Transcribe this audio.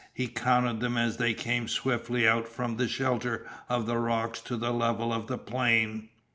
He counted them as they came swiftly out from the shelter of the rocks to the level of the plain.